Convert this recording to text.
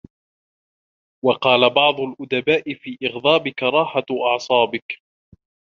وَقَالَ بَعْضُ الْأُدَبَاءِ فِي إغْضَابِك رَاحَةُ أَعْصَابِك